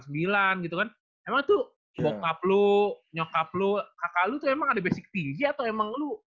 emang tuh bokap lo nyokap lo kakak lu tuh emang ada basic tinggi atau emang lu